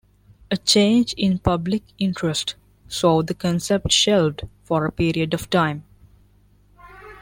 A change in public interest saw the concept shelved for a period of time.